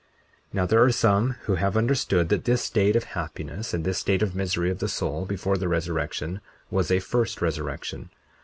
40:15 Now, there are some that have understood that this state of happiness and this state of misery of the soul, before the resurrection, was a first resurrection.